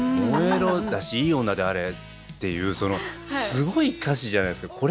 「燃えろ」だし「いい女であれ」っていうすごい歌詞じゃないですか。